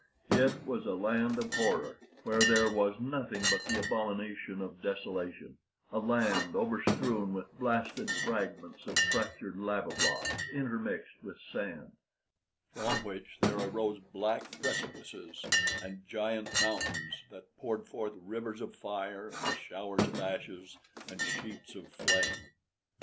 It was a land of horror, where there was nothing but the abomination of desolation a land overstrewn with blasted fragments of fractured lava blocks, intermixed with sand, from which there arose black precipices and giant mountains that poured forth rivers of fire and showers of ashes and sheets of flame.